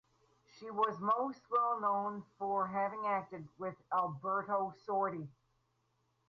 She was most well known for having acted with Alberto Sordi.